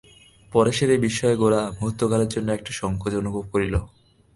পরেশের এই বিস্ময়ে গোরা মুহূর্তকালের জন্য একটা সংকোচ অনুভব করিল।